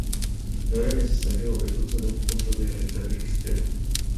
No era necesario el uso de un punto de recarga externo.